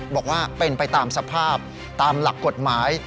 บอกว่าเป็นไปตามสภาพตามหลักกฎหมาย